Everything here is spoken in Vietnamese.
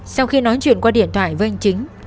sau khi nói chuyện qua điện thoại với anh chính